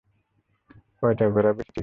কয়টা ঘোড়া বেচেছিস?